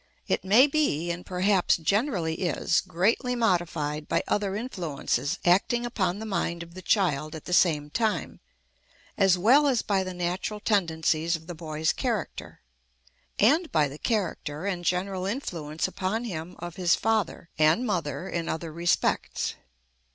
It may be, and perhaps generally is, greatly modified by other influences acting upon the mind of the child at the same time, as well as by the natural tendencies of the boy's character, and by the character and general influence upon him of his father and mother in other respects.